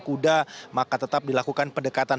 kuda maka tetap dilakukan pendekatan